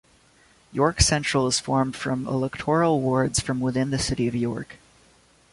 York Central is formed from electoral wards from within the city of York.